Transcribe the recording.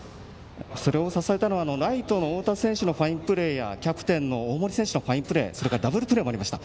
それを支えたのはライトの太田選手のファインプレーやキャプテンの大森選手のファインプレーそれからダブルプレーもありました。